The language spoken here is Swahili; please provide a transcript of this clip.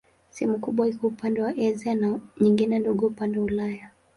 Sehemu kubwa iko upande wa Asia na nyingine ndogo upande wa Ulaya.